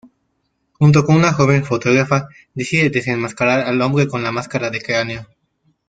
Junto con una joven fotógrafa, decide desenmascarar al hombre con la máscara de cráneo.